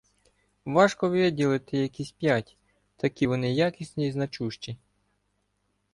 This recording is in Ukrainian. Важко виділити якісь п'ять, такі вони якісні і значущі.